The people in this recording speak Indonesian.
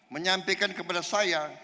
menyampaikan kepada saya